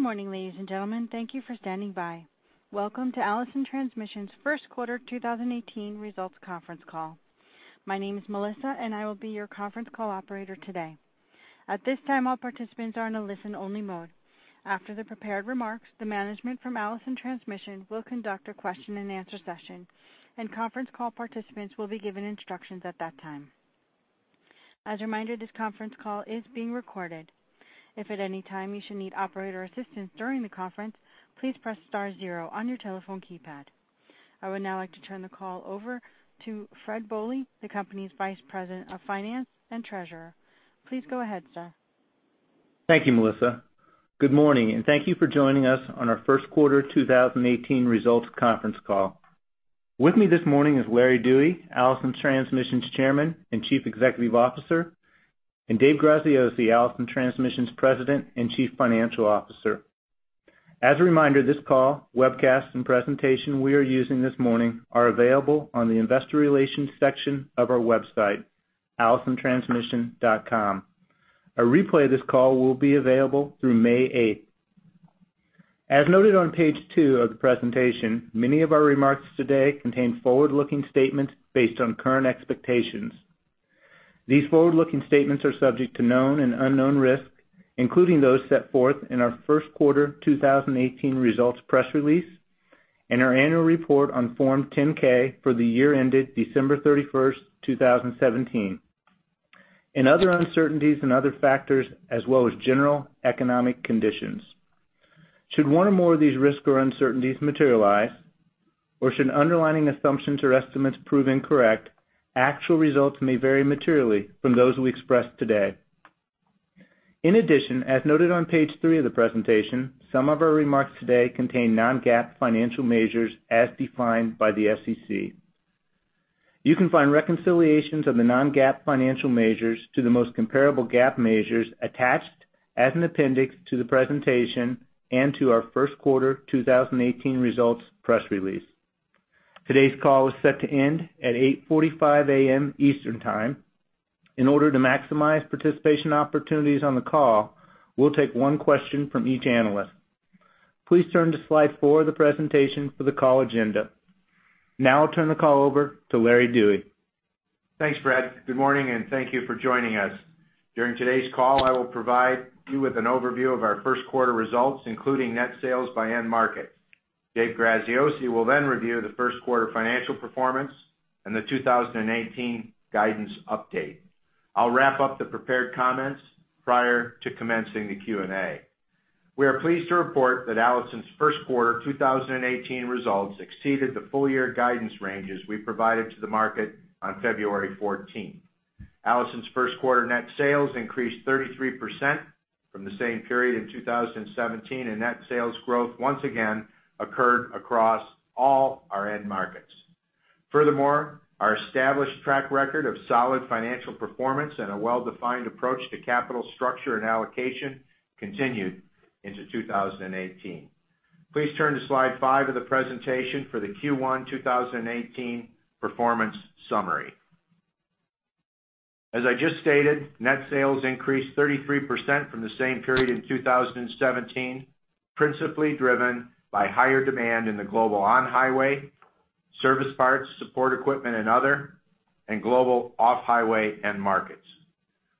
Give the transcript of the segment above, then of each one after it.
Good morning, ladies and gentlemen. Thank you for standing by. Welcome to Allison Transmission's first quarter 2018 results conference call. My name is Melissa, and I will be your conference call operator today. At this time, all participants are in a listen-only mode. After the prepared remarks, the management from Allison Transmission will conduct a question-and-answer session, and conference call participants will be given instructions at that time. As a reminder, this conference call is being recorded. If at any time you should need operator assistance during the conference, please press star zero on your telephone keypad. I would now like to turn the call over to Fred Bohley, the company's Vice President of Finance and Treasurer. Please go ahead, sir. Thank you, Melissa. Good morning, and thank you for joining us on our first quarter 2018 results conference call. With me this morning is Larry Dewey, Allison Transmission's Chairman and Chief Executive Officer, and Dave Graziosi, Allison Transmission's President and Chief Financial Officer. As a reminder, this call, webcast, and presentation we are using this morning are available on the investor relations section of our website, allisontransmission.com. A replay of this call will be available through May 8. As noted on page two of the presentation, many of our remarks today contain forward-looking statements based on current expectations. These forward-looking statements are subject to known and unknown risks, including those set forth in our first quarter 2018 results press release and our annual report on Form 10-K for the year ended December 31, 2017, and other uncertainties and other factors as well as general economic conditions. Should one or more of these risks or uncertainties materialize, or should underlying assumptions or estimates prove incorrect, actual results may vary materially from those we express today. In addition, as noted on page 3 of the presentation, some of our remarks today contain non-GAAP financial measures as defined by the SEC. You can find reconciliations of the non-GAAP financial measures to the most comparable GAAP measures attached as an appendix to the presentation and to our first quarter 2018 results press release. Today's call is set to end at 8:45 A.M. Eastern Time. In order to maximize participation opportunities on the call, we'll take one question from each analyst. Please turn to slide four of the presentation for the call agenda. Now I'll turn the call over to Larry Dewey. Thanks, Fred. Good morning, and thank you for joining us. During today's call, I will provide you with an overview of our first quarter results, including net sales by end market. Dave Graziosi will then review the first quarter financial performance and the 2018 guidance update. I'll wrap up the prepared comments prior to commencing the Q&A. We are pleased to report that Allison's first quarter 2018 results exceeded the full-year guidance ranges we provided to the market on February 14. Allison's first quarter net sales increased 33% from the same period in 2017, and net sales growth once again occurred across all our end markets. Furthermore, our established track record of solid financial performance and a well-defined approach to capital structure and allocation continued into 2018. Please turn to slide 5 of the presentation for the Q1 2018 performance summary. As I just stated, net sales increased 33% from the same period in 2017, principally driven by higher demand in the global on-highway, service parts, support equipment, and other, and global off-highway end markets.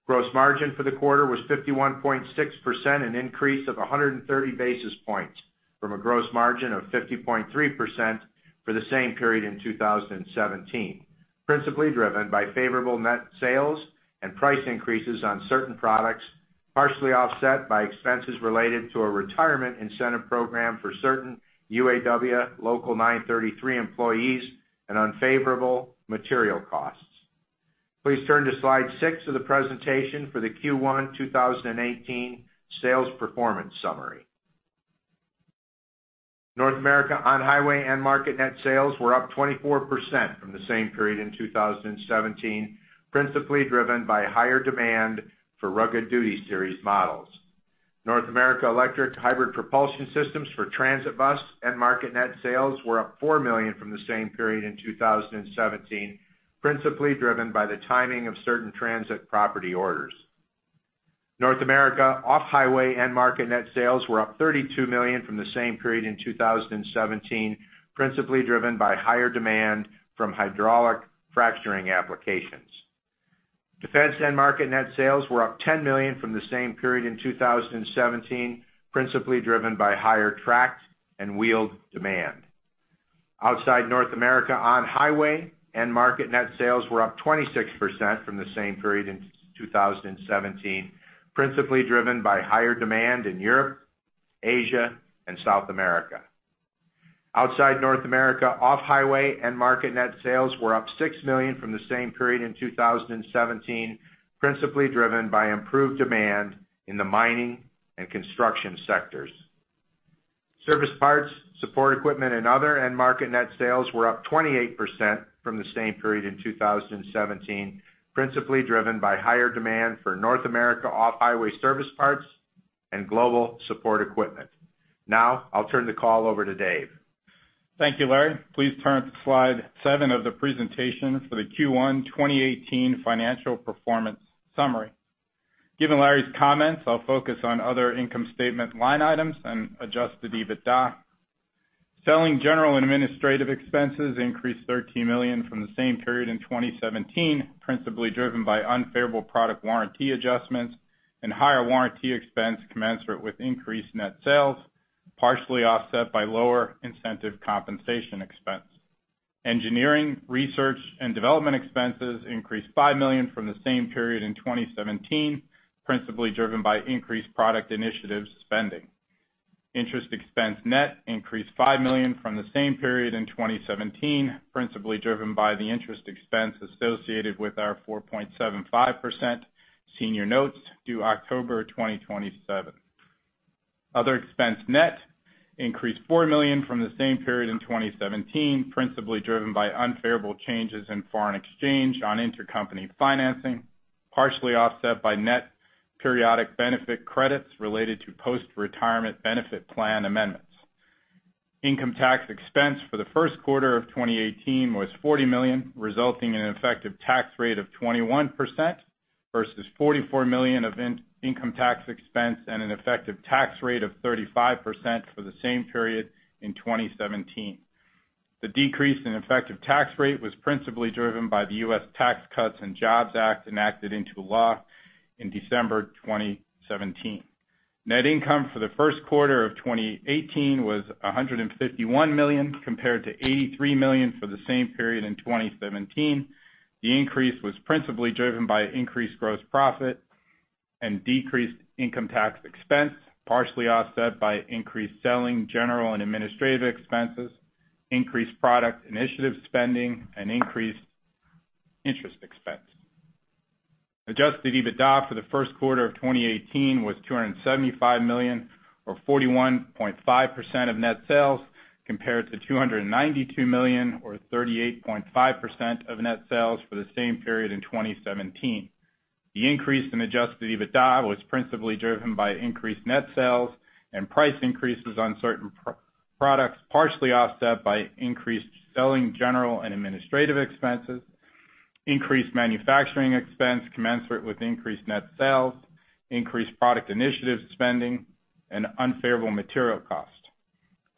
Gross margin for the quarter was 51.6%, an increase of 130 basis points from a gross margin of 50.3% for the same period in 2017, principally driven by favorable net sales and price increases on certain products, partially offset by expenses related to a retirement incentive program for certain UAW Local 933 employees and unfavorable material costs. Please turn to slide 6 of the presentation for the Q1 2018 sales performance summary. North America on-highway end-market net sales were up 24% from the same period in 2017, principally driven by higher demand for Rugged Duty Series models. North America electric hybrid propulsion systems for transit bus end-market net sales were up $4 million from the same period in 2017, principally driven by the timing of certain transit property orders. North America off-highway end-market net sales were up $32 million from the same period in 2017, principally driven by higher demand from hydraulic fracturing applications. Defense end-market net sales were up $10 million from the same period in 2017, principally driven by higher tracked and wheeled demand. Outside North America on-highway end-market net sales were up 26% from the same period in 2017, principally driven by higher demand in Europe, Asia, and South America. Outside North America off-highway end-market net sales were up $6 million from the same period in 2017, principally driven by improved demand in the mining and construction sectors. Service parts, support equipment, and other end-market net sales were up 28% from the same period in 2017, principally driven by higher demand for North America off-highway service parts and global support equipment. Now, I'll turn the call over to Dave.... Thank you, Larry. Please turn to Slide 7 of the presentation for the Q1 2018 financial performance summary. Given Larry's comments, I'll focus on other income statement line items and adjusted EBITDA. Selling general and administrative expenses increased $13 million from the same period in 2017, principally driven by unfavorable product warranty adjustments and higher warranty expense commensurate with increased net sales, partially offset by lower incentive compensation expense. Engineering, research, and development expenses increased $5 million from the same period in 2017, principally driven by increased product initiatives spending. Interest expense net increased $5 million from the same period in 2017, principally driven by the interest expense associated with our 4.75% Senior Notes due October 2027. Other expense net increased $4 million from the same period in 2017, principally driven by unfavorable changes in foreign exchange on intercompany financing, partially offset by net periodic benefit credits related to post-retirement benefit plan amendments. Income tax expense for the first quarter of 2018 was $40 million, resulting in an effective tax rate of 21% versus $44 million of income tax expense and an effective tax rate of 35% for the same period in 2017. The decrease in effective tax rate was principally driven by the US Tax Cuts and Jobs Act, enacted into law in December 2017. Net income for the first quarter of 2018 was $151 million, compared to $83 million for the same period in 2017. The increase was principally driven by increased gross profit and decreased income tax expense, partially offset by increased selling, general, and administrative expenses, increased product initiative spending, and increased interest expense. Adjusted EBITDA for the first quarter of 2018 was $275 million, or 41.5% of net sales, compared to $292 million, or 38.5% of net sales for the same period in 2017. The increase in adjusted EBITDA was principally driven by increased net sales and price increases on certain propulsion products, partially offset by increased selling, general, and administrative expenses, increased manufacturing expense commensurate with increased net sales, increased product initiative spending, and unfavorable material cost.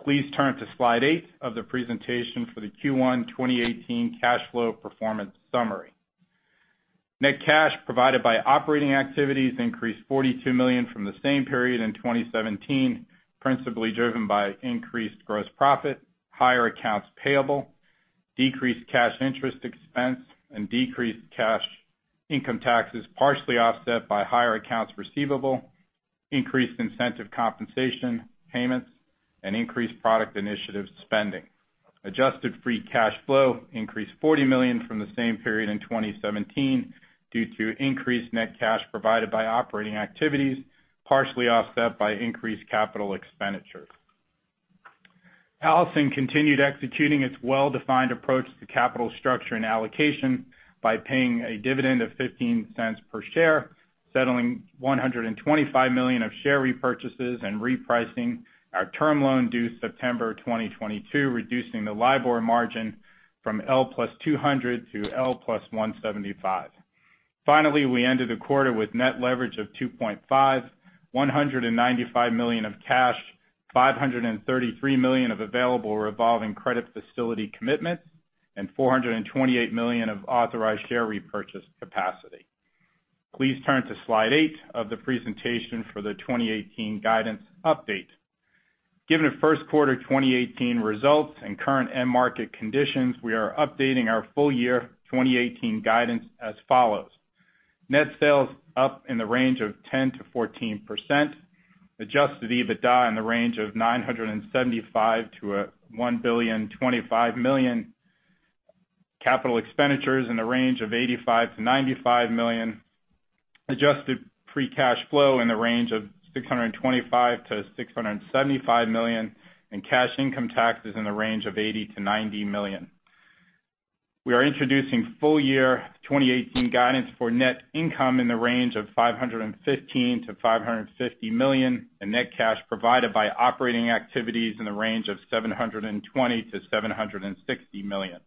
Please turn to Slide 8 of the presentation for the Q1 2018 cash flow performance summary. Net cash provided by operating activities increased $42 million from the same period in 2017, principally driven by increased gross profit, higher accounts payable, decreased cash interest expense, and decreased cash income taxes, partially offset by higher accounts receivable, increased incentive compensation payments, and increased product initiative spending. Adjusted free cash flow increased $40 million from the same period in 2017 due to increased net cash provided by operating activities, partially offset by increased capital expenditures. Allison continued executing its well-defined approach to capital structure and allocation by paying a dividend of $0.15 per share, settling $125 million of share repurchases, and repricing our term loan due September 2022, reducing the LIBOR margin from L + 200 to L + 175. Finally, we ended the quarter with net leverage of 2.5, $195 million of cash, $533 million of available revolving credit facility commitments, and $428 million of authorized share repurchase capacity. Please turn to Slide 8 of the presentation for the 2018 guidance update. Given the first quarter 2018 results and current end market conditions, we are updating our full year 2018 guidance as follows: Net sales up in the range of 10-14%, adjusted EBITDA in the range of $975 million-$1,025 million, capital expenditures in the range of $85 million-$95 million, adjusted free cash flow in the range of $625 million-$675 million, and cash income taxes in the range of $80 million-$90 million. We are introducing full year 2018 guidance for net income in the range of $515 million-$550 million, and net cash provided by operating activities in the range of $720 million-$760 million.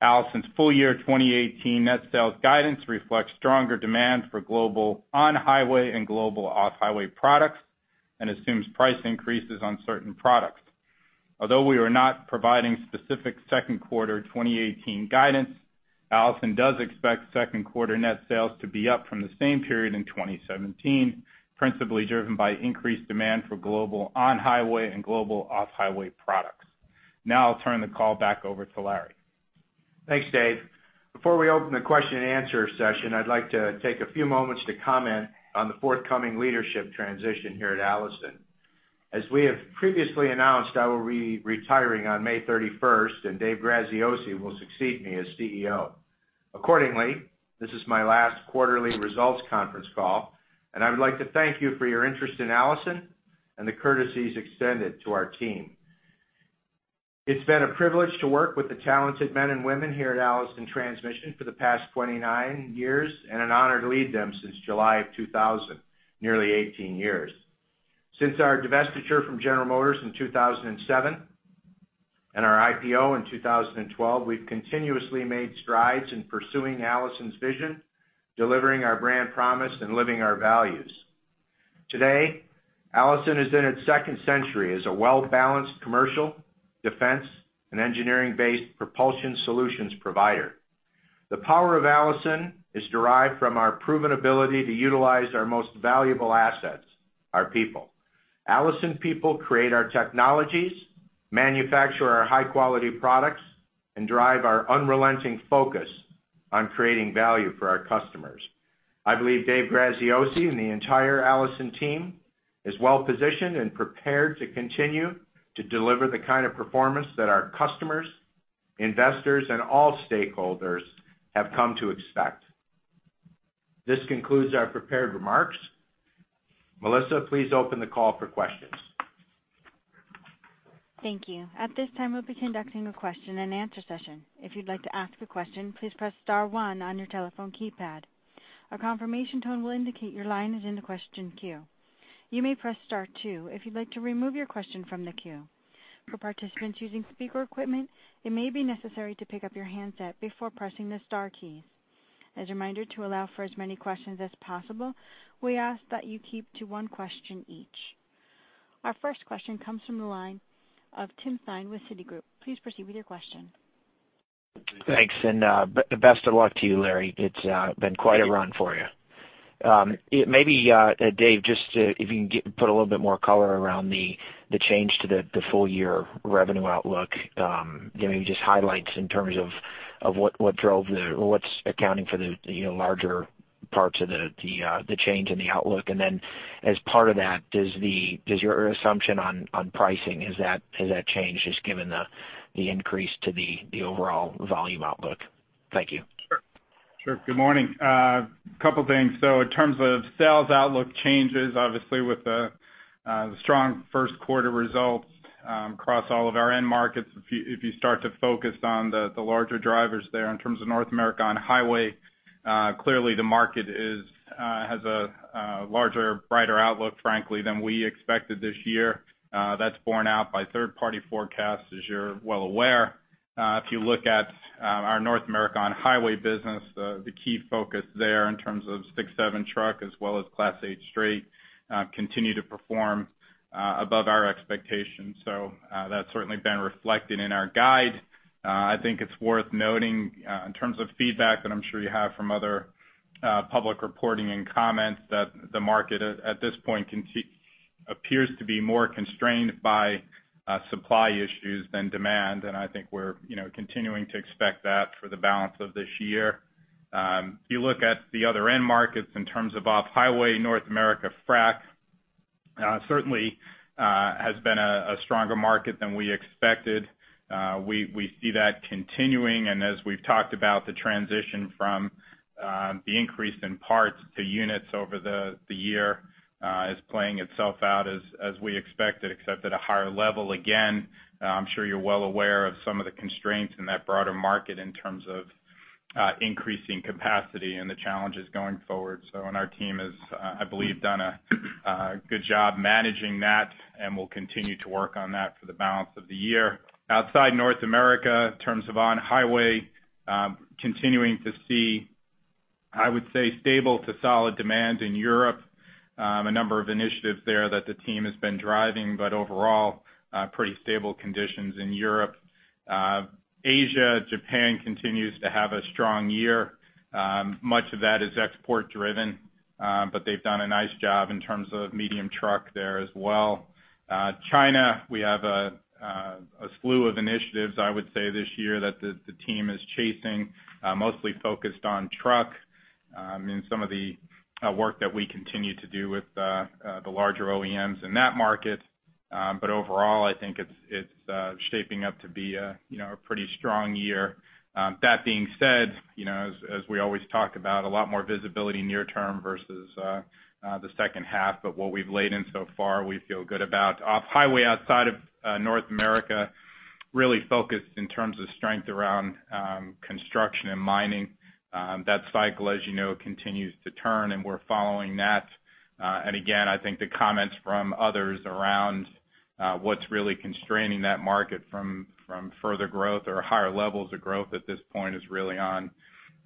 Allison's full year 2018 net sales guidance reflects stronger demand for global on-highway and global off-highway products and assumes price increases on certain products. Although we are not providing specific second quarter 2018 guidance, Allison does expect second quarter net sales to be up from the same period in 2017, principally driven by increased demand for global on-highway and global off-highway products. Now I'll turn the call back over to Larry. Thanks, Dave. Before we open the question and answer session, I'd like to take a few moments to comment on the forthcoming leadership transition here at Allison. As we have previously announced, I will be retiring on May 31st, and Dave Graziosi will succeed me as CEO. Accordingly, this is my last quarterly results conference call, and I would like to thank you for your interest in Allison and the courtesies extended to our team. It's been a privilege to work with the talented men and women here at Allison Transmission for the past 29 years, and an honor to lead them since July of 2000, nearly 18 years. Since our divestiture from General Motors in 2007, and our IPO in 2012, we've continuously made strides in pursuing Allison's vision, delivering our brand promise, and living our values. Today, Allison is in its second century as a well-balanced commercial, defense, and engineering-based propulsion solutions provider. The power of Allison is derived from our proven ability to utilize our most valuable assets, our people. Allison people create our technologies, manufacture our high-quality products, and drive our unrelenting focus on creating value for our customers. I believe Dave Graziosi and the entire Allison team is well positioned and prepared to continue to deliver the kind of performance that our customers, investors, and all stakeholders have come to expect. This concludes our prepared remarks. Melissa, please open the call for questions. Thank you. At this time, we'll be conducting a question-and-answer session. If you'd like to ask a question, please press star one on your telephone keypad. A confirmation tone will indicate your line is in the question queue. You may press star two if you'd like to remove your question from the queue. For participants using speaker equipment, it may be necessary to pick up your handset before pressing the star keys. As a reminder, to allow for as many questions as possible, we ask that you keep to one question each. Our first question comes from the line of Tim Thein with Citigroup. Please proceed with your question. Thanks, and, the best of luck to you, Larry. It's been quite a run for you. It maybe, Dave, just to, if you can, put a little bit more color around the change to the full year revenue outlook, giving just highlights in terms of what drove the -- or what's accounting for the, you know, larger parts of the change in the outlook. And then as part of that, does your assumption on pricing, has that changed just given the increase to the overall volume outlook? Thank you. Sure. Sure. Good morning. Couple things. So in terms of sales outlook changes, obviously with the strong first quarter results across all of our end markets, if you start to focus on the larger drivers there in terms of North America on-highway, clearly the market has a larger, brighter outlook, frankly, than we expected this year. That's borne out by third-party forecasts, as you're well aware. If you look at our North America on-highway business, the key focus there in terms of 6-7 truck as well as Class 8 straight continue to perform above our expectations. So, that's certainly been reflected in our guide. I think it's worth noting, in terms of feedback that I'm sure you have from other public reporting and comments, that the market at this point appears to be more constrained by supply issues than demand. And I think we're, you know, continuing to expect that for the balance of this year. If you look at the other end markets in terms of off-highway, North America frack, certainly has been a stronger market than we expected. We see that continuing, and as we've talked about, the transition from the increase in parts to units over the year is playing itself out as we expected, except at a higher level. Again, I'm sure you're well aware of some of the constraints in that broader market in terms of, increasing capacity and the challenges going forward. So and our team has, I believe, done a, good job managing that, and we'll continue to work on that for the balance of the year. Outside North America, in terms of on-highway, continuing to see, I would say, stable to solid demand in Europe. A number of initiatives there that the team has been driving, but overall, pretty stable conditions in Europe. Asia, Japan continues to have a strong year. Much of that is export-driven, but they've done a nice job in terms of medium truck there as well. China, we have a slew of initiatives, I would say, this year, that the team is chasing, mostly focused on truck, and some of the work that we continue to do with the larger OEMs in that market. But overall, I think it's shaping up to be a, you know, a pretty strong year. That being said, you know, as we always talk about, a lot more visibility near term versus the second half, but what we've laid in so far, we feel good about. Off-highway outside of North America, really focused in terms of strength around construction and mining. That cycle, as you know, continues to turn, and we're following that. And again, I think the comments from others around what's really constraining that market from further growth or higher levels of growth at this point is really on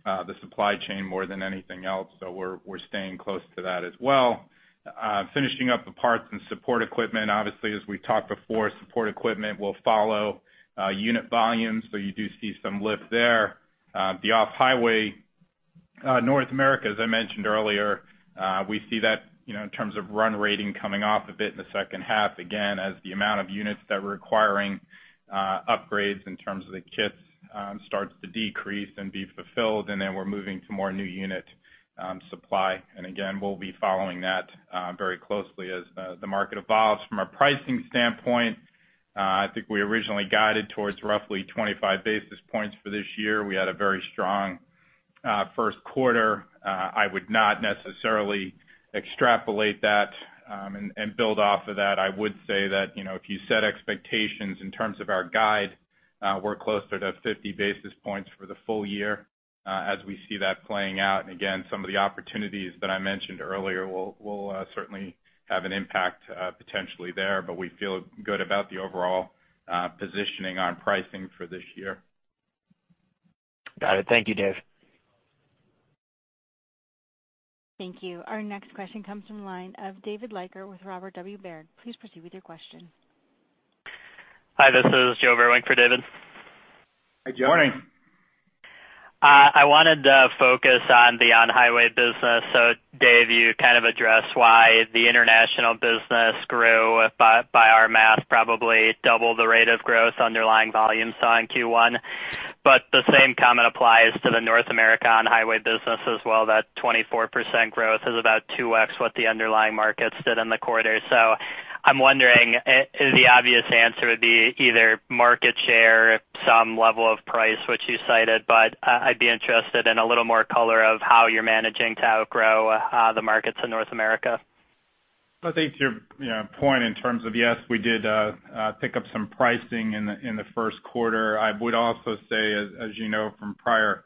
the supply chain more than anything else. So we're staying close to that as well. Finishing up the parts and support equipment, obviously, as we talked before, support equipment will follow unit volumes, so you do see some lift there. The off-highway North America, as I mentioned earlier, we see that, you know, in terms of run rating coming off a bit in the second half, again, as the amount of units that we're requiring upgrades in terms of the kits starts to decrease and be fulfilled, and then we're moving to more new unit supply. Again, we'll be following that very closely as the market evolves. From a pricing standpoint, I think we originally guided towards roughly 25 basis points for this year. We had a very strong first quarter. I would not necessarily extrapolate that and build off of that. I would say that, you know, if you set expectations in terms of our guide, we're closer to 50 basis points for the full year, as we see that playing out, and again, some of the opportunities that I mentioned earlier will certainly have an impact, potentially there. But we feel good about the overall positioning on pricing for this year. Got it. Thank you, Dave. Thank you. Our next question comes from the line of David Leiker with Robert W. Baird. Please proceed with your question. Hi, this is Joe Irving for David. Hi, Joe. Morning. I wanted to focus on the on-highway business. So Dave, you kind of addressed why the international business grew, by our math, probably double the rate of growth underlying volumes on Q1. But the same comment applies to the North America on-highway business as well, that 24% growth is about 2x what the underlying markets did in the quarter. So I'm wondering, the obvious answer would be either market share, some level of price, which you cited, but, I'd be interested in a little more color of how you're managing to outgrow, the markets in North America. Well, I think to your, you know, point in terms of, yes, we did pick up some pricing in the, in the first quarter. I would also say, as, as you know, from prior,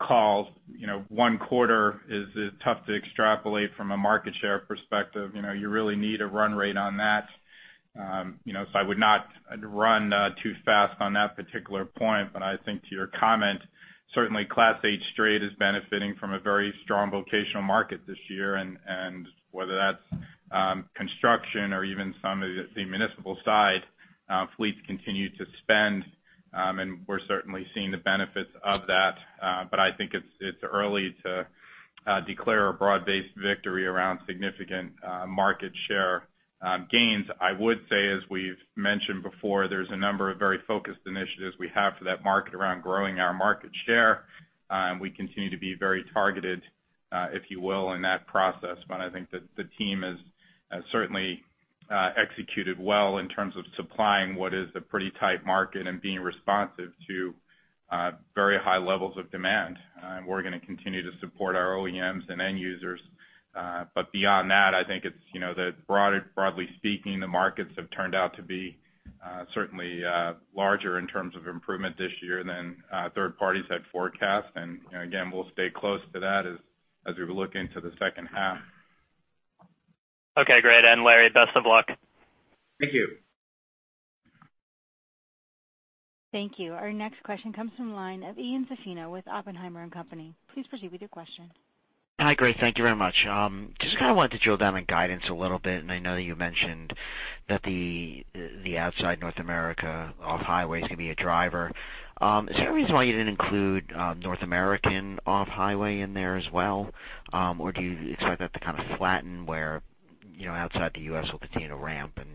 calls, you know, one quarter is, is tough to extrapolate from a market share perspective. You know, you really need a run rate on that. You know, so I would not run, too fast on that particular point. But I think to your comment, certainly Class 8 Straight is benefiting from a very strong vocational market this year, and, and whether that's, construction or even some of the municipal side, fleets continue to spend, and we're certainly seeing the benefits of that. But I think it's, it's early to, declare a broad-based victory around significant, market share, gains. I would say, as we've mentioned before, there's a number of very focused initiatives we have for that market around growing our market share. And we continue to be very targeted, if you will, in that process. But I think that the team has certainly executed well in terms of supplying what is a pretty tight market and being responsive to very high levels of demand. We're gonna continue to support our OEMs and end users. But beyond that, I think it's, you know, the broader, broadly speaking, the markets have turned out to be certainly larger in terms of improvement this year than third parties had forecast. And, you know, again, we'll stay close to that as we look into the second half. Okay, great. Larry, best of luck. Thank you. Thank you. Our next question comes from the line of Ian Zaffino with Oppenheimer and Company. Please proceed with your question. Hi, great. Thank you very much. Just kind of wanted to drill down on guidance a little bit, and I know you mentioned that the outside North America off-highway is going to be a driver. Is there a reason why you didn't include North American off-highway in there as well? Or do you expect that to kind of flatten where, you know, outside the U.S. will continue to ramp and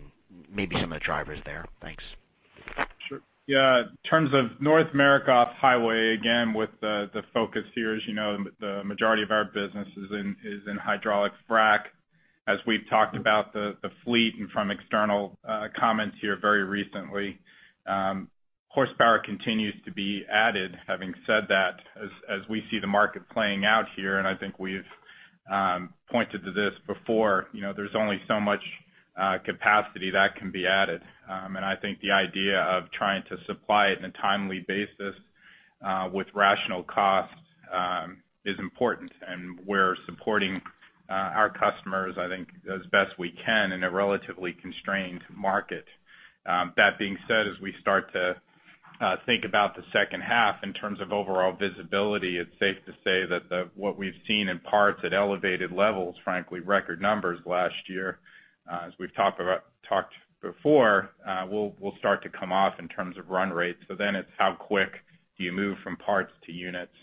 maybe some of the drivers there? Thanks. Sure. Yeah, in terms of North America off-highway, again, with the focus here, as you know, the majority of our business is in hydraulic frack. As we've talked about the fleet and from external comments here very recently, horsepower continues to be added. Having said that, as we see the market playing out here, and I think we've pointed to this before, you know, there's only so much capacity that can be added. And I think the idea of trying to supply it in a timely basis with rational costs is important, and we're supporting our customers, I think, as best we can in a relatively constrained market. That being said, as we start to think about the second half in terms of overall visibility, it's safe to say that the—what we've seen in parts at elevated levels, frankly, record numbers last year, as we've talked about before, will start to come off in terms of run rates. So then it's how quick do you move from parts to units?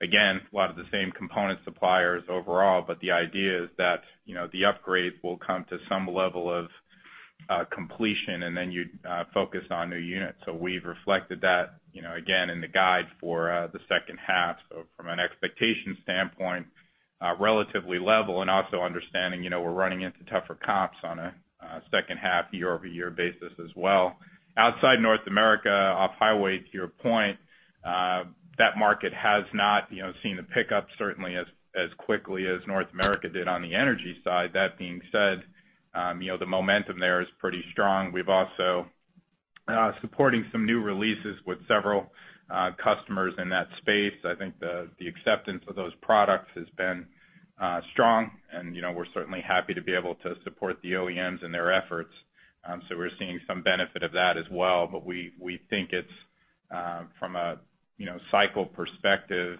Again, a lot of the same component suppliers overall, but the idea is that, you know, the upgrades will come to some level of completion, and then you focus on new units. So we've reflected that, you know, again, in the guide for the second half. So from an expectation standpoint, relatively level, and also understanding, you know, we're running into tougher comps on a second half year-over-year basis as well. Outside North America, off-highway, to your point, that market has not, you know, seen a pickup certainly as quickly as North America did on the energy side. That being said, you know, the momentum there is pretty strong. We've also supporting some new releases with several customers in that space. I think the acceptance of those products has been strong, and you know, we're certainly happy to be able to support the OEMs and their efforts. So we're seeing some benefit of that as well. But we think it's from a, you know, cycle perspective,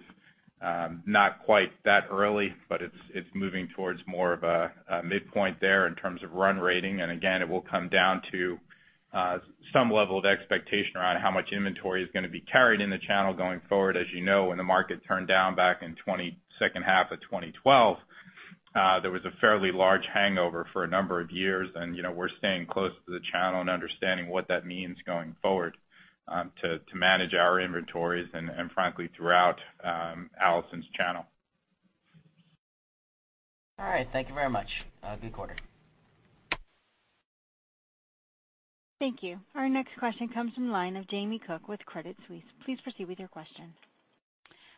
not quite that early, but it's moving towards more of a midpoint there in terms of run rating. And again, it will come down to some level of expectation around how much inventory is gonna be carried in the channel going forward. As you know, when the market turned down back in the second half of 2012, there was a fairly large hangover for a number of years. And, you know, we're staying close to the channel and understanding what that means going forward, to manage our inventories and frankly throughout Allison's channel. All right. Thank you very much. Good quarter. Thank you. Our next question comes from the line of Jamie Cook with Credit Suisse. Please proceed with your question.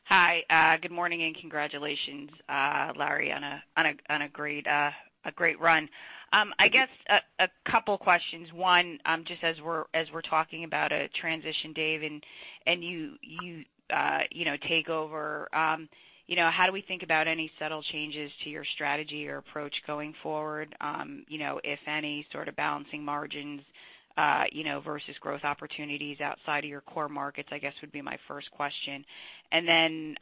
Hi, good morning, and congratulations, Larry, on a great run. I guess a couple questions. One, just as we're talking about a transition, Dave, and you, you know, take over, you know, how do we think about any subtle changes to your strategy or approach going forward? You know, if any sort of balancing margins, you know, versus growth opportunities outside of your core markets, I guess, would be my first question. And then,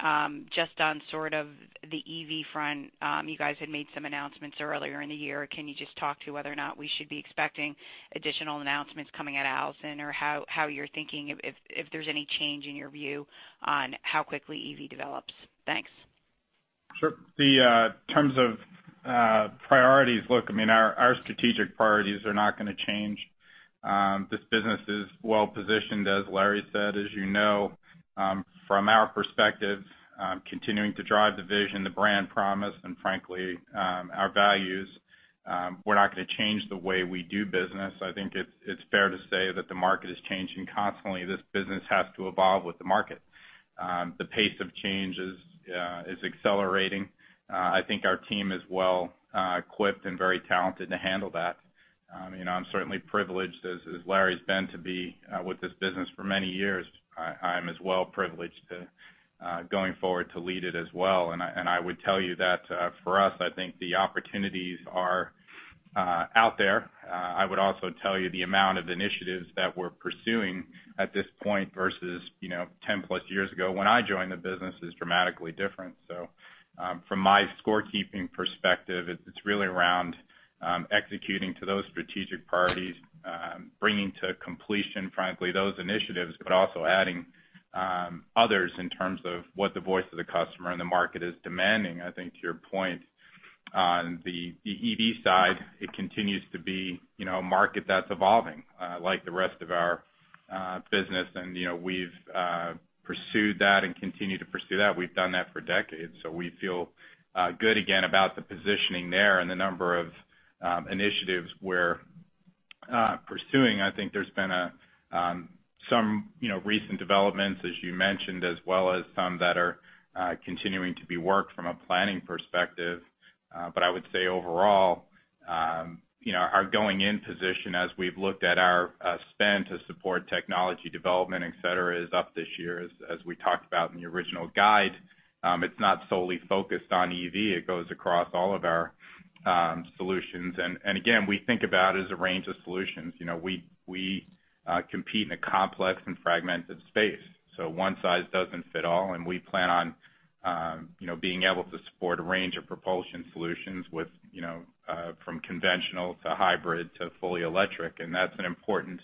just on sort of the EV front, you guys had made some announcements earlier in the year. Can you just talk to whether or not we should be expecting additional announcements coming out of Allison, or how you're thinking if there's any change in your view on how quickly EV develops? Thanks. Sure. The terms of priorities, I mean, our strategic priorities are not gonna change. This business is well positioned, as Larry said, as you know, from our perspective, continuing to drive the vision, the brand promise, and frankly, our values, we're not gonna change the way we do business. I think it's fair to say that the market is changing constantly. This business has to evolve with the market. The pace of change is accelerating. I think our team is well equipped and very talented to handle that. You know, I'm certainly privileged, as Larry's been, to be with this business for many years. I'm as well privileged to going forward, to lead it as well. I would tell you that, for us, I think the opportunities are out there. I would also tell you the amount of initiatives that we're pursuing at this point versus, you know, 10 plus years ago, when I joined the business, is dramatically different. So, from my scorekeeping perspective, it's really around executing to those strategic priorities, bringing to completion, frankly, those initiatives, but also adding others in terms of what the voice of the customer and the market is demanding. I think to your point on the EV side, it continues to be, you know, a market that's evolving like the rest of our business. And, you know, we've pursued that and continue to pursue that. We've done that for decades, so we feel good again about the positioning there and the number of initiatives we're pursuing. I think there's been some, you know, recent developments, as you mentioned, as well as some that are continuing to be worked from a planning perspective. But I would say overall, you know, our going-in position as we've looked at our spend to support technology development, et cetera, is up this year, as we talked about in the original guide. It's not solely focused on EV. It goes across all of our solutions. And again, we think about as a range of solutions. You know, we compete in a complex and fragmented space, so one size doesn't fit all, and we plan on, you know, being able to support a range of propulsion solutions with, you know, from conventional to hybrid to fully electric. And that's an important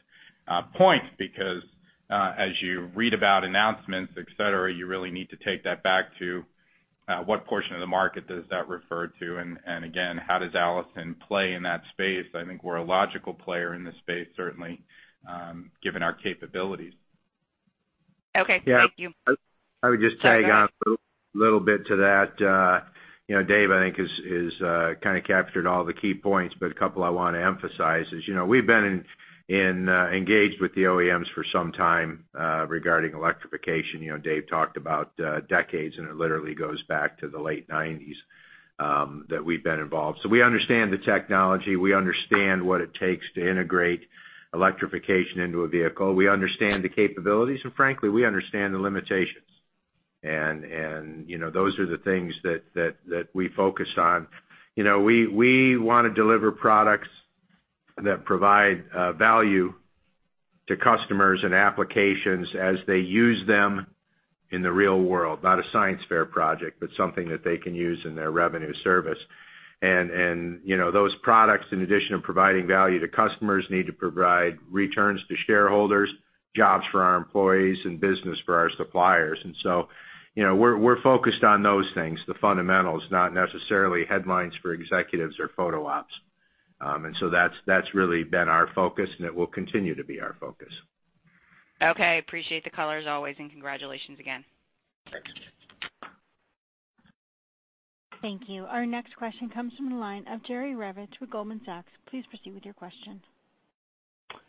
point because, as you read about announcements, et cetera, you really need to take that back to, what portion of the market does that refer to, and, and again, how does Allison play in that space? I think we're a logical player in this space, certainly, given our capabilities. Okay. Thank you. Yeah, I would just tag on a little bit to that. You know, Dave, I think has kind of captured all the key points, but a couple I want to emphasize is, you know, we've been engaged with the OEMs for some time regarding electrification. You know, Dave talked about decades, and it literally goes back to the late 1990s that we've been involved. So we understand the technology, we understand what it takes to integrate electrification into a vehicle. We understand the capabilities, and frankly, we understand the limitations. And you know, those are the things that we focused on. You know, we want to deliver products that provide value to customers and applications as they use them in the real world. Not a science fair project, but something that they can use in their revenue service. And, you know, those products, in addition to providing value to customers, need to provide returns to shareholders, jobs for our employees, and business for our suppliers. And so, you know, we're focused on those things, the fundamentals, not necessarily headlines for executives or photo ops. And so that's really been our focus, and it will continue to be our focus. Okay. Appreciate the color, as always, and congratulations again. Thanks. Thank you. Our next question comes from the line of Jerry Revich with Goldman Sachs. Please proceed with your question.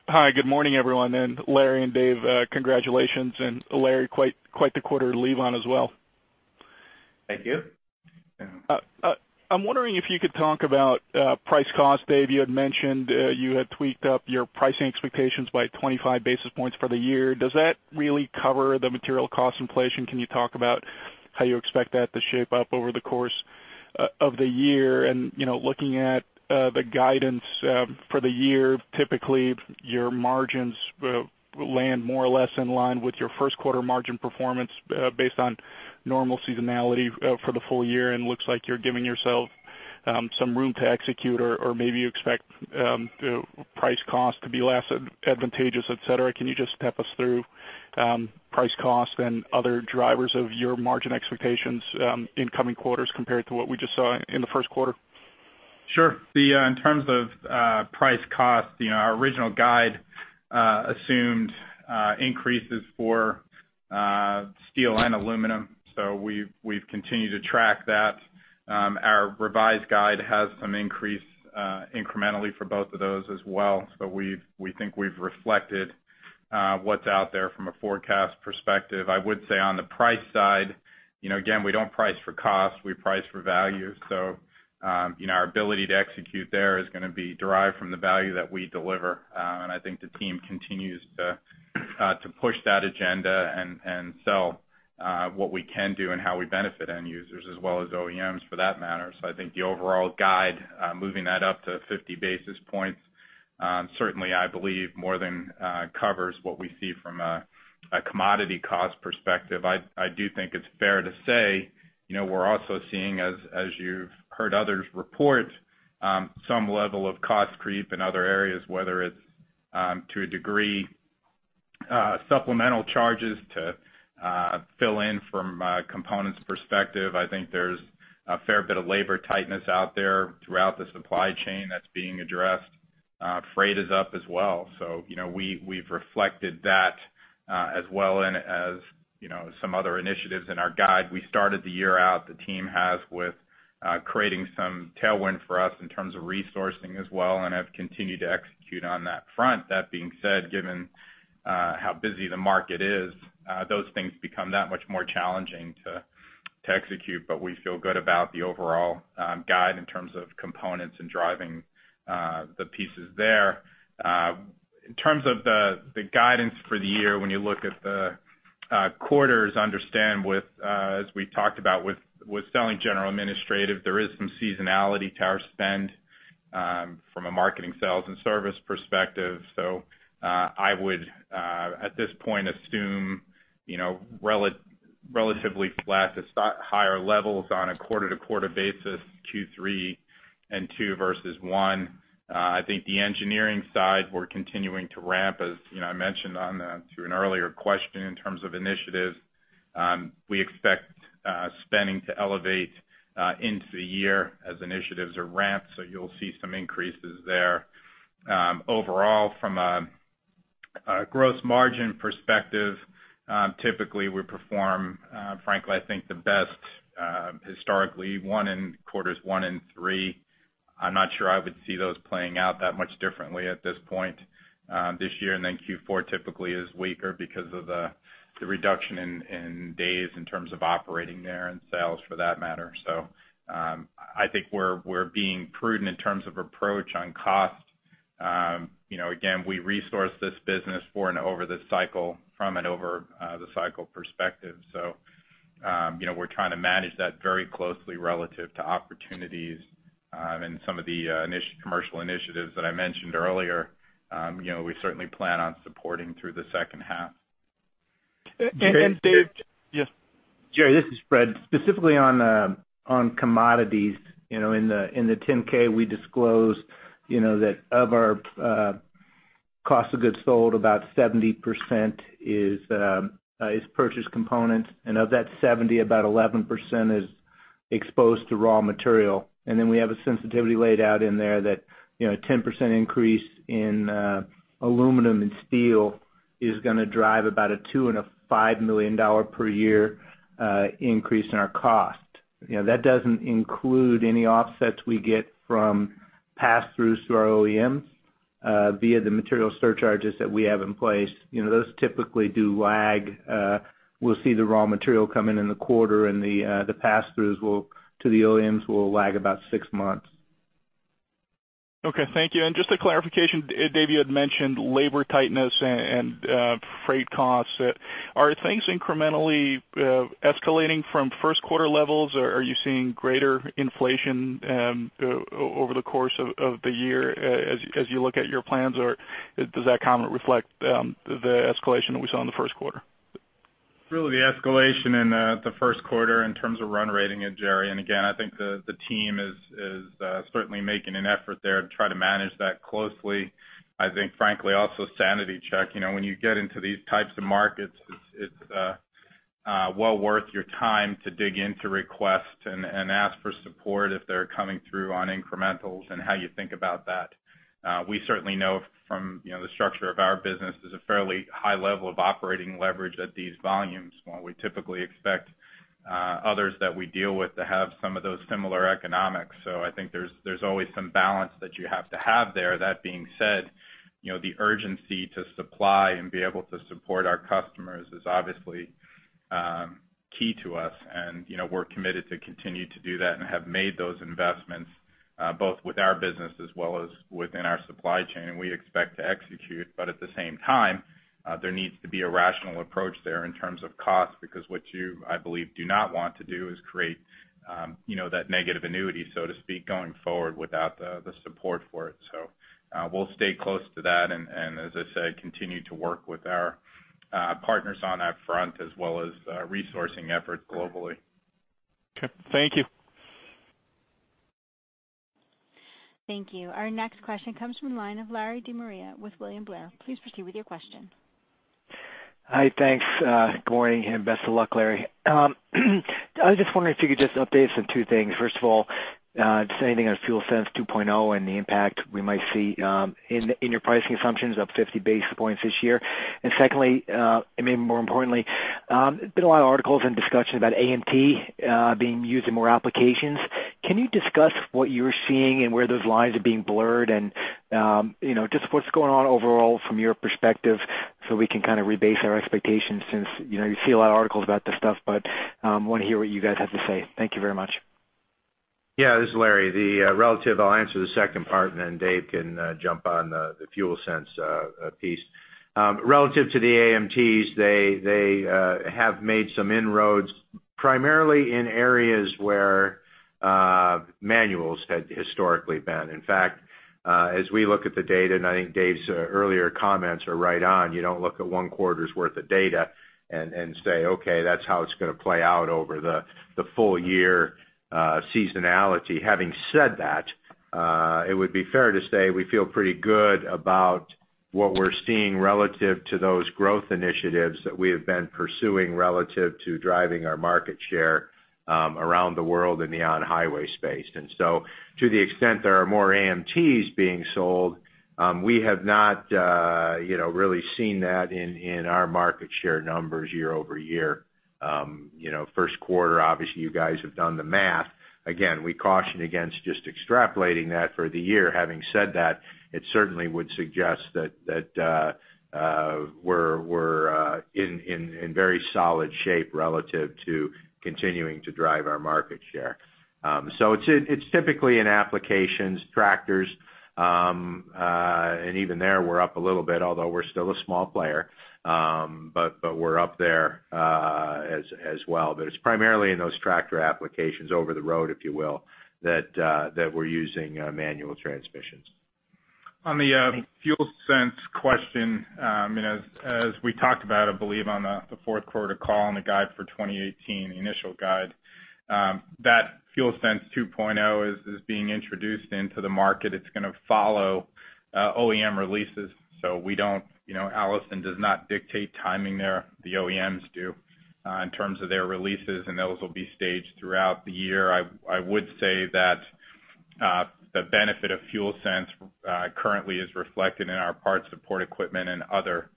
Hi, good morning, everyone, and Larry and Dave, congratulations. Larry, quite, quite the quarter to leave on as well. Thank you. I'm wondering if you could talk about price cost. Dave, you had mentioned you had tweaked up your pricing expectations by 25 basis points for the year. Does that really cover the material cost inflation? Can you talk about how you expect that to shape up over the course of the year? You know, looking at the guidance for the year, typically, your margins land more or less in line with your first quarter margin performance based on normal seasonality for the full year, and looks like you're giving yourself some room to execute, or maybe you expect the price cost to be less advantageous, et cetera. Can you just step us through price, cost and other drivers of your margin expectations in coming quarters compared to what we just saw in the first quarter? Sure. In terms of price, cost, you know, our original guide assumed increases for steel and aluminum, so we've continued to track that. Our revised guide has some increase incrementally for both of those as well. So we think we've reflected what's out there from a forecast perspective. I would say on the price side, you know, again, we don't price for cost, we price for value. So, you know, our ability to execute there is gonna be derived from the value that we deliver. And I think the team continues to push that agenda and, and sell what we can do and how we benefit end users as well as OEMs for that matter. So I think the overall guide, moving that up to 50 basis points, certainly I believe more than covers what we see from a commodity cost perspective. I do think it's fair to say, you know, we're also seeing, as you've heard others report, some level of cost creep in other areas, whether it's, to a degree, supplemental charges to fill in from a components perspective. I think there's a fair bit of labor tightness out there throughout the supply chain that's being addressed. Freight is up as well. So, you know, we, we've reflected that, as well, and as, you know, some other initiatives in our guide. We started the year out, the team has, with, creating some tailwind for us in terms of resourcing as well, and have continued to execute on that front. That being said, given, how busy the market is, those things become that much more challenging to, to execute, but we feel good about the overall, guide in terms of components and driving, the pieces there. In terms of the, the guidance for the year, when you look at the, quarters, understand with, as we talked about with, with selling general administrative, there is some seasonality to our spend, from a marketing, sales, and service perspective. So, at this point, I would assume, you know, relatively flat to slightly higher levels on a quarter-to-quarter basis, Q3 and two versus one. I think the engineering side, we're continuing to ramp, as you know I mentioned to an earlier question in terms of initiatives. We expect spending to elevate into the year as initiatives are ramped, so you'll see some increases there. Overall, from a Gross Margin perspective, typically we perform, frankly, I think the best historically in quarters one and three. I'm not sure I would see those playing out that much differently at this point this year. And then Q4 typically is weaker because of the reduction in days in terms of operating there and sales for that matter. So, I think we're being prudent in terms of approach on cost. You know, again, we resource this business over the cycle perspective. So, you know, we're trying to manage that very closely relative to opportunities, and some of the initial commercial initiatives that I mentioned earlier, you know, we certainly plan on supporting through the second half. And Dave? Yes. Jerry, this is Fred. Specifically on, on commodities, you know, in the, in the 10-K, we disclosed, you know, that of our, cost of goods sold, about 70% is, is purchase components, and of that 70, about 11% is exposed to raw material. And then we have a sensitivity laid out in there that, you know, a 10% increase in, aluminum and steel is gonna drive about a $2.5 million per year, increase in our cost. You know, that doesn't include any offsets we get from pass-throughs through our OEMs, via the material surcharges that we have in place. You know, those typically do lag. We'll see the raw material come in in the quarter and the, the pass-throughs will, to the OEMs, will lag about 6 months. Okay, thank you. And just a clarification, Dave, you had mentioned labor tightness and freight costs. Are things incrementally escalating from first quarter levels, or are you seeing greater inflation over the course of the year as you look at your plans? Or does that comment reflect the escalation that we saw in the first quarter? Really the escalation in the first quarter in terms of run rating, Jerry, and again, I think the team is certainly making an effort there to try to manage that closely. I think frankly, also sanity check. You know, when you get into these types of markets, it's well worth your time to dig into requests and ask for support if they're coming through on incrementals and how you think about that. We certainly know from, you know, the structure of our business, there's a fairly high level of operating leverage at these volumes, while we typically expect others that we deal with to have some of those similar economics. So I think there's always some balance that you have to have there. That being said, you know, the urgency to supply and be able to support our customers is obviously key to us, and, you know, we're committed to continue to do that and have made those investments both with our business as well as within our supply chain. And we expect to execute, but at the same time, there needs to be a rational approach there in terms of cost, because what you, I believe, do not want to do is create, you know, that negative annuity, so to speak, going forward without the, the support for it. So, we'll stay close to that, and, and as I said, continue to work with our partners on that front, as well as resourcing efforts globally. Okay. Thank you. Thank you. Our next question comes from the line of Larry De Maria with William Blair. Please proceed with your question.... Hi, thanks. Good morning, and best of luck, Larry. I was just wondering if you could just update us on two things. First of all, just anything on FuelSense 2.0 and the impact we might see in your pricing assumptions up 50 basis points this year. And secondly, and maybe more importantly, there's been a lot of articles and discussion about AMT being used in more applications. Can you discuss what you're seeing and where those lines are being blurred? And, you know, just what's going on overall from your perspective, so we can kind of rebase our expectations since, you know, you see a lot of articles about this stuff, but, want to hear what you guys have to say. Thank you very much. Yeah, this is Larry. The relative, I'll answer the second part, and then Dave can jump on the Fuel Sense piece. Relative to the AMTs, they have made some inroads, primarily in areas where manuals had historically been. In fact, as we look at the data, and I think Dave's earlier comments are right on, you don't look at one quarter's worth of data and say, "Okay, that's how it's gonna play out over the full year, seasonality." Having said that, it would be fair to say we feel pretty good about what we're seeing relative to those growth initiatives that we have been pursuing relative to driving our market share around the world in the on-highway space. And so to the extent there are more AMTs being sold, we have not, you know, really seen that in our market share numbers year over year. You know, first quarter, obviously, you guys have done the math. Again, we caution against just extrapolating that for the year. Having said that, it certainly would suggest that we're in very solid shape relative to continuing to drive our market share. So it's typically in applications, tractors, and even there, we're up a little bit, although we're still a small player, but we're up there, as well. But it's primarily in those tractor applications over the road, if you will, that we're using manual transmissions. On the FuelSense question, you know, as we talked about, I believe, on the fourth quarter call and the guide for 2018, the initial guide, that FuelSense 2.0 is being introduced into the market. It's gonna follow OEM releases, so, you know, Allison does not dictate timing there, the OEMs do in terms of their releases, and those will be staged throughout the year. I would say that the benefit of FuelSense currently is reflected in our parts support equipment and other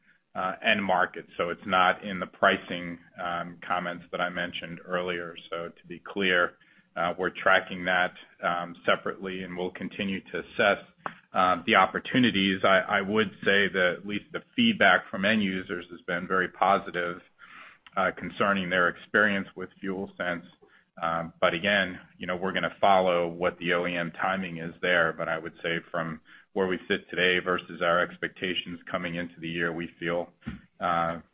end markets, so it's not in the pricing comments that I mentioned earlier. So to be clear, we're tracking that separately, and we'll continue to assess the opportunities. I would say that at least the feedback from end users has been very positive concerning their experience with FuelSense. But again, you know, we're gonna follow what the OEM timing is there. But I would say from where we sit today versus our expectations coming into the year, we feel,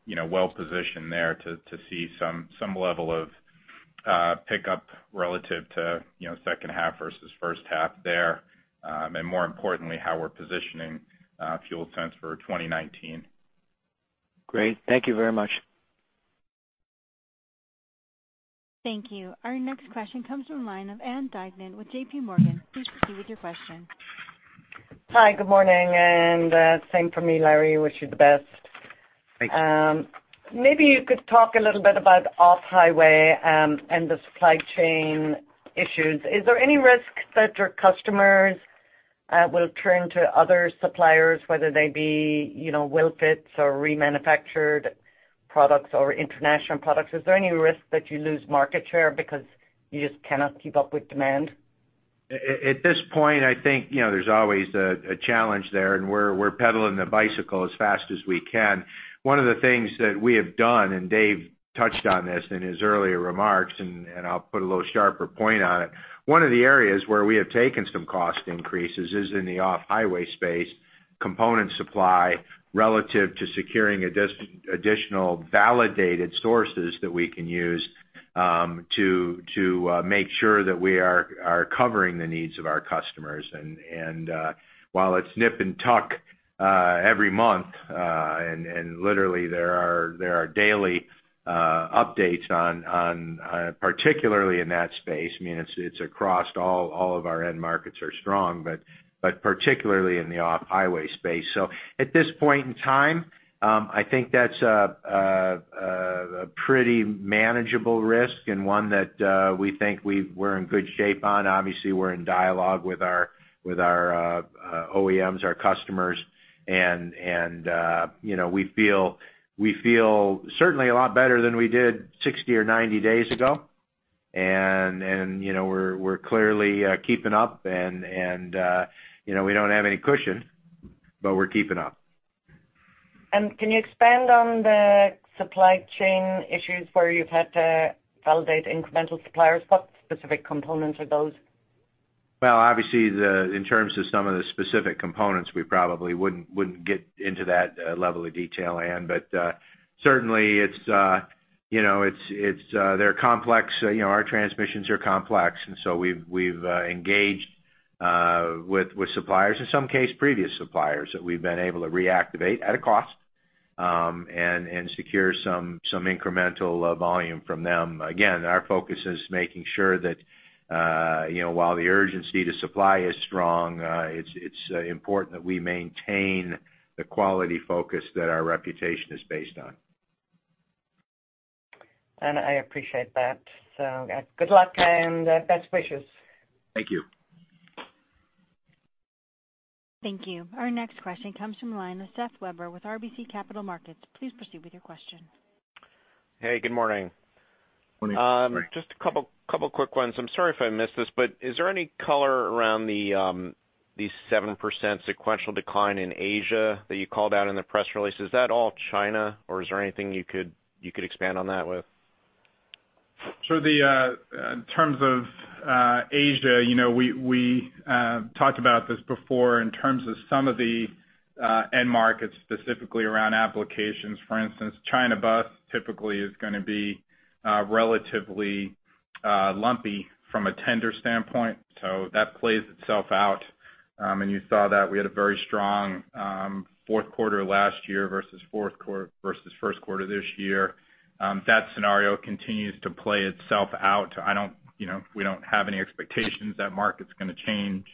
you know, well positioned there to see some level of pickup relative to, you know, second half versus first half there, and more importantly, how we're positioning FuelSense for 2019. Great. Thank you very much. Thank you. Our next question comes from the line of Ann Duignan with J.P. Morgan. Please proceed with your question. Hi, good morning, and, same for me, Larry. Wish you the best. Thanks. Maybe you could talk a little bit about off-highway, and the supply chain issues. Is there any risk that your customers will turn to other suppliers, whether they be, you know, well fits or remanufactured products or international products? Is there any risk that you lose market share because you just cannot keep up with demand? At this point, I think, you know, there's always a challenge there, and we're pedaling the bicycle as fast as we can. One of the things that we have done, and Dave touched on this in his earlier remarks, and I'll put a little sharper point on it. One of the areas where we have taken some cost increases is in the off-highway space, component supply, relative to securing additional validated sources that we can use, to make sure that we are covering the needs of our customers. And while it's nip and tuck every month, and literally there are daily updates on, particularly in that space, I mean, it's across all of our end markets are strong, but particularly in the off-highway space. So at this point in time, I think that's a pretty manageable risk and one that we think we're in good shape on. Obviously, we're in dialogue with our OEMs, our customers, and you know, we feel certainly a lot better than we did 60 or 90 days ago. And you know, we're clearly keeping up, and you know, we don't have any cushion, but we're keeping up. Can you expand on the supply chain issues where you've had to validate incremental suppliers? What specific components are those? Well, obviously, the -- in terms of some of the specific components, we probably wouldn't get into that level of detail, Ann. But, certainly, it's, you know, it's, they're complex. You know, our transmissions are complex, and so we've engaged with suppliers, in some cases, previous suppliers that we've been able to reactivate at a cost, and secure some incremental volume from them. Again, our focus is making sure that, you know, while the urgency to supply is strong, it's important that we maintain the quality focus that our reputation is based on. And I appreciate that. So, good luck and best wishes. Thank you. Thank you. Our next question comes from the line of Seth Weber with RBC Capital Markets. Please proceed with your question. Hey, good morning. Morning. Just a couple quick ones. I'm sorry if I missed this, but is there any color around the 7% sequential decline in Asia that you called out in the press release? Is that all China, or is there anything you could expand on that with? In terms of Asia, you know, we talked about this before in terms of some of the end markets, specifically around applications. For instance, China bus typically is gonna be relatively lumpy from a tender standpoint, so that plays itself out. You saw that we had a very strong fourth quarter last year versus first quarter this year. That scenario continues to play itself out. I don't, you know, we don't have any expectations that market's gonna change.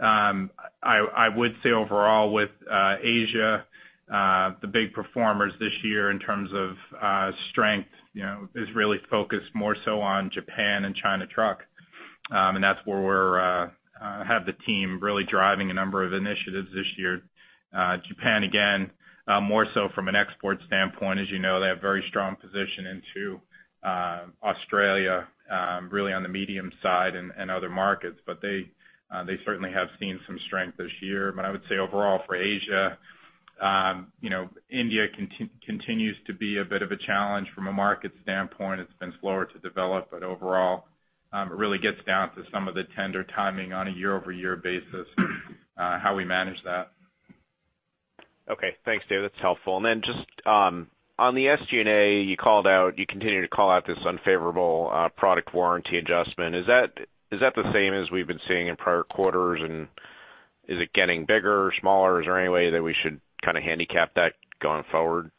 I would say overall with Asia, the big performers this year in terms of strength, you know, is really focused more so on Japan and China truck. And that's where we have the team really driving a number of initiatives this year. Japan, again, more so from an export standpoint. As you know, they have very strong position into, Australia, really on the medium side and other markets. But they, they certainly have seen some strength this year. But I would say overall for Asia, you know, India continues to be a bit of a challenge from a market standpoint. It's been slower to develop, but overall, it really gets down to some of the tender timing on a year-over-year basis, how we manage that. Okay. Thanks, Dave. That's helpful. And then just, on the SG&A, you called out, you continued to call out this unfavorable, product warranty adjustment. Is that, is that the same as we've been seeing in prior quarters, and is it getting bigger or smaller? Is there any way that we should kind of handicap that going forward?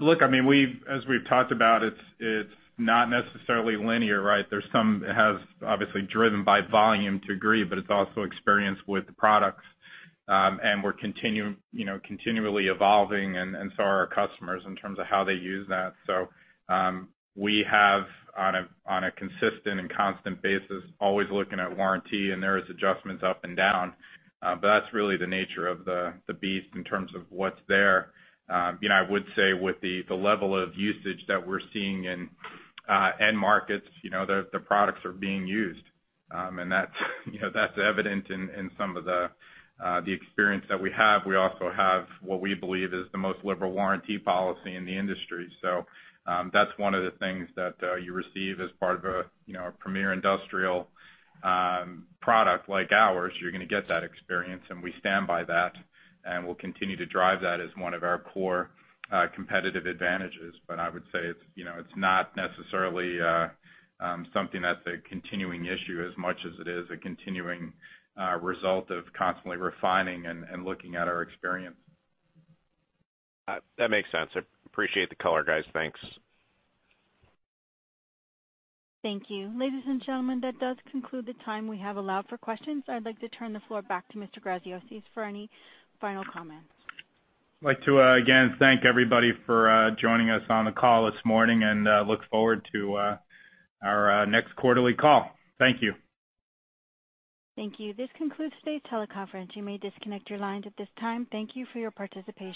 Look, I mean, we've, as we've talked about, it's not necessarily linear, right? There's some, it has obviously driven by volume to a degree, but it's also experience with the products. And we're, you know, continually evolving, and so are our customers in terms of how they use that. So, we have on a consistent and constant basis, always looking at warranty, and there is adjustments up and down, but that's really the nature of the beast in terms of what's there. You know, I would say with the level of usage that we're seeing in end markets, you know, the products are being used. And that's, you know, that's evident in some of the experience that we have. We also have what we believe is the most liberal warranty policy in the industry. So, that's one of the things that, you receive as part of a, you know, a premier industrial, product like ours. You're gonna get that experience, and we stand by that, and we'll continue to drive that as one of our core, competitive advantages. But I would say it's, you know, it's not necessarily, something that's a continuing issue as much as it is a continuing, result of constantly refining and looking at our experience. That makes sense. I appreciate the color, guys. Thanks. Thank you. Ladies and gentlemen, that does conclude the time we have allowed for questions. I'd like to turn the floor back to Mr. Graziosi for any final comments. I'd like to again thank everybody for joining us on the call this morning and look forward to our next quarterly call. Thank you. Thank you. This concludes today's teleconference. You may disconnect your lines at this time. Thank you for your participation.